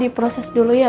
diproses dulu ya